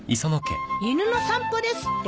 犬の散歩ですって？